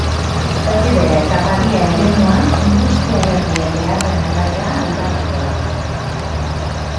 Erribera eta badia eremua, industria berrien beharren arabera aldatuko da.